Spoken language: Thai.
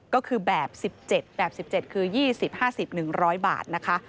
ก็คือแบบ๑๗แบบ๑๗คือ๒๐๕๐๑๐๐บาทนะคะ